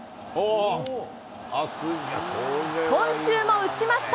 今週も打ちました。